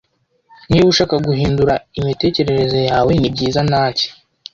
Niba ushaka guhindura imitekerereze yawe, nibyiza nanjye.